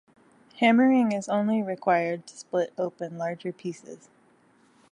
Hammering is only required to split open larger pieces.